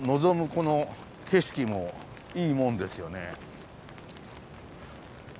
この景色もいいもんですよね。